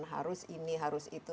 harus ini harus itu